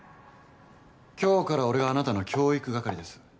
今日から俺があなたの教育係です。